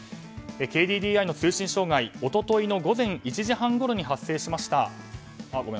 ＫＤＤＩの通信障害一昨日の午前１時半ごろに発生しました。